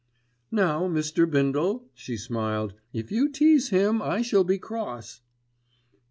"Now Mr. Bindle," she smiled, "if you tease him I shall be cross."